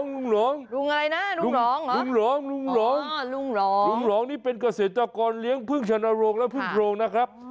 ลุงหลองนี่เป็นเกษตรกรเลี้ยงพึ่งชนโรงและพึ่งโรงนะครับ